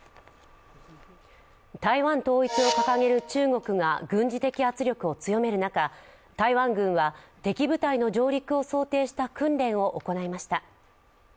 台湾統一を掲げる中国が軍事的圧力を強める中、台湾軍は、敵部隊の上陸を想定した訓練を行いました。